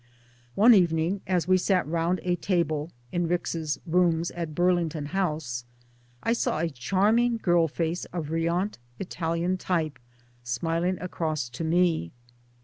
.One evening as we sat round a table (in Rix's rooms at Burlington House) I saw a charming girl face, of riant Italian type, smiling across to me.